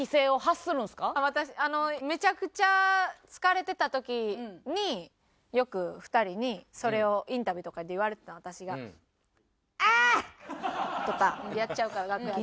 めちゃくちゃ疲れてた時によく２人にそれをインタビューとかで言われてた私が。とかやっちゃうから楽屋で。